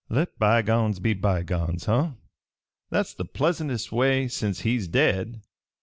"Let bygones be bygones, huh? That's the pleasantest way, sence he's dead.